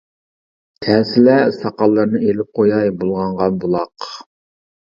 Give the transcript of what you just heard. كەلسىلە، ساقاللىرىنى ئىلىپ قوياي بۇلغانغان بۇلاق.